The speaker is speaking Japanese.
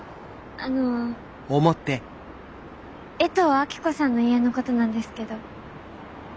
あの衛藤明子さんの家のことなんですけど。